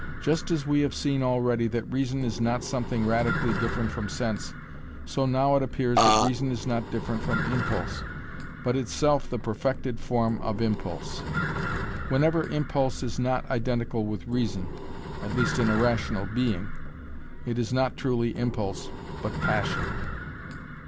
Just as we have seen already that reason is not something radically different from sense, so now it appears that reason is not different from impulse, but itself the perfected form of impulse. Whenever impulse is not identical with reason at least in a rational being it is not truly impulse, but passion.